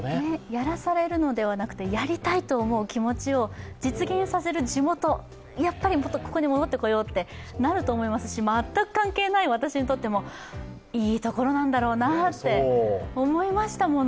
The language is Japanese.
やらされるのではなくてやりたいという気持ちを実現させる地元、やっぱりここに戻ってこようってなると思いますし全く関係ない私にとっても、いいところなんだろうなと思いましたもの。